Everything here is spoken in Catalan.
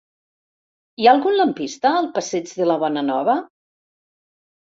Hi ha algun lampista al passeig de la Bonanova?